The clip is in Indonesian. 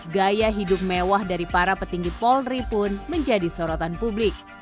gaya hidup mewah dari para petinggi polri pun menjadi sorotan publik